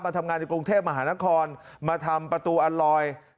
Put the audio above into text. ทำงานในกรุงเทพมหานครมาทำประตูอัลลอย